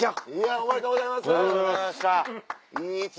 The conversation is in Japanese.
ありがとうございます。